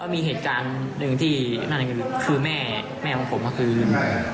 มีเหตุการณ์หนึ่งที่คือแม่ของผมคือ